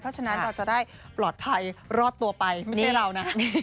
เพราะฉะนั้นเราจะได้ปลอดภัยรอดตัวไปไม่ใช่เรานะ